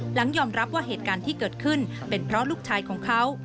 หลังยอมรับว่าเหตุการณ์ที่เกิดขึ้นเป็นเพราะลูกชายของเขา